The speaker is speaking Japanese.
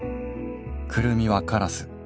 くるみはカラス。